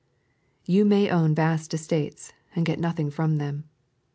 You may own vast estates, and get nothing from them.